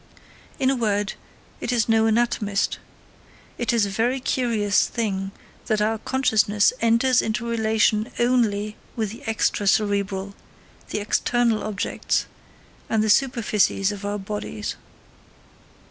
In a word, it is no anatomist. It is a very curious thing that our consciousness enters into relation only with the extra cerebral, the external objects, and the superficies of our bodies.